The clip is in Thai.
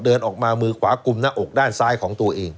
เดินออกมามือขวากลุ่มหน้าอกด้านซ้ายของตัวเอง